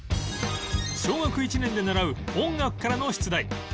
小学１年で習う音楽からの出題